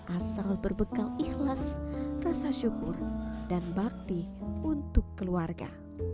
asal berbekal ikhlas rasa syukur dan bakti untuk keluarga